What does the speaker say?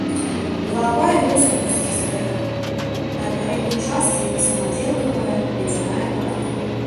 Галава яго спусцістая, на пярэдняй частцы як самадзелкавая ледзяная гара.